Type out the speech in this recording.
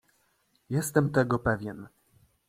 "Jestem tego pewien!"